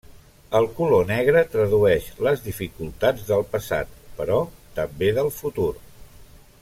El color negre tradueix les dificultats del passat, però també del futur.